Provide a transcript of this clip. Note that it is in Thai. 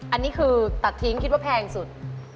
อันนี้คือตัดทิ้งคิดว่าแพงสุด